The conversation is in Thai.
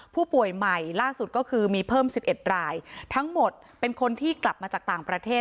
ผู้ป่วยใหม่ล่าสุดก็คือมีเพิ่มสิบเอ็ดรายทั้งหมดเป็นคนที่กลับมาจากต่างประเทศ